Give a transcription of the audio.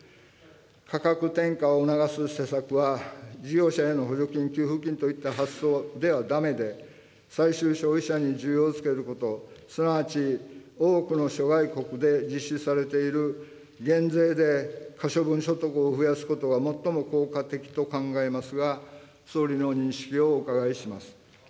価格転嫁を促す施策は、事業者への補助金・給付金といった発想ではだめで、最終消費者に需要をつけること、すなわち、多くの諸外国で実施されている減税で可処分所得を増やすことが最も効果的と考えますが、総理の認識をお伺いします。